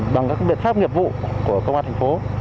bằng các biện pháp nghiệp vụ của công an thành phố